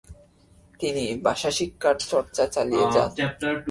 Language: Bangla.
তিনি ভাষা শিক্ষার চর্চা চালিয়ে যান।